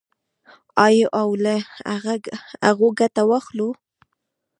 آیا او له هغو ګټه واخلو؟